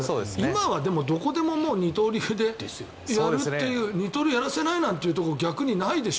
今はどこでも二刀流でやるという二刀流をやらせないなんてところ逆にないでしょ。